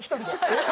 えっ！